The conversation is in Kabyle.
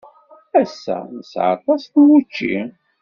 Ass-a, nesɛa aṭas n wučči.